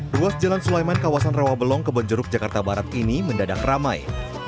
ruas jalan sulaiman kawasan rawabelong kebonjeruk jakarta barat ini mendadak ramai